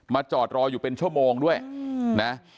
จอดรออยู่เป็นชั่วโมงด้วยนะ